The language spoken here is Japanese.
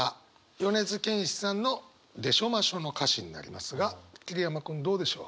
米津玄師さんの「でしょましょ」の歌詞になりますが桐山君どうでしょう？